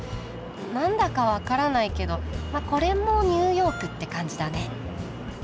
何だか分からないけどこれもニューヨークって感じだね。